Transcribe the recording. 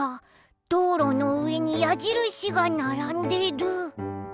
どうろのうえにやじるしがならんでる！